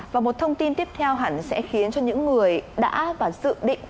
và một thông tin tiếp theo hẳn sẽ khiến cho những người đã và dự định